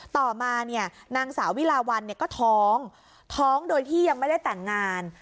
ต่อมาเนี่ยนางสาววิลาวันก็ท้องท้องโดยที่ยังไม่ได้แต่งงาน